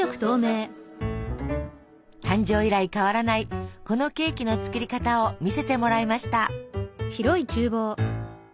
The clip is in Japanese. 誕生以来変わらないこのケーキの作り方を見せてもらいました。